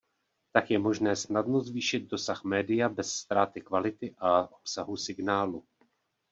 Tak je možné snadno zvýšit dosah média bez ztráty kvality a obsahu signálu.